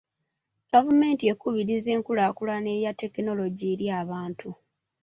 Gavumenti ekubirizza enkulaakulana eya tekinologiya eri abantu.